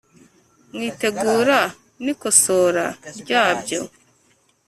mu itegura n’ikosora ryabyo,